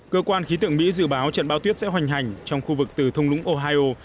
cơ quan khí tượng mỹ dự báo trận bão tuyết sẽ hoành hành trong khu vực từ thung lũng ohio